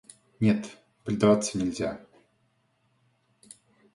Нет, придраться нельзя.